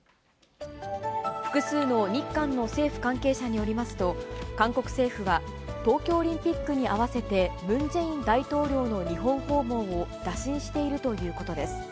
複数の日韓の政府関係者によりますと、韓国政府は、東京オリンピックに合わせて、ムン・ジェイン大統領の日本訪問を打診しているということです。